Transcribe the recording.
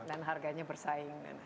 dan harganya bersaing